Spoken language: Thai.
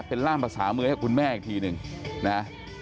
เป็นร่ามภาษามือให้คุณแม่อีกทีหนึ่งนะ